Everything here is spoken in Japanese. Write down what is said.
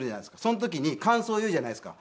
その時に感想言うじゃないですか。